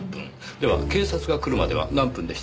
では警察が来るまでは何分でしたか？